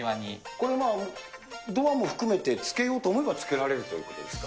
これ、ドアも含めて付けようと思えば付けられるということですか？